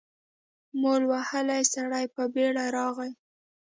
مول وهلی سړی په بېړه راغی.